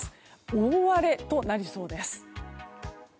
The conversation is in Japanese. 大荒れとなりそうです。